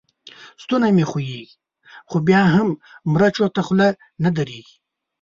ستونی مې خوږېږي؛ خو بيا مې هم مرچو ته خوله نه درېږي.